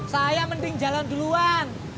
saya mending jalan duluan